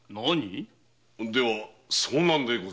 では遭難で？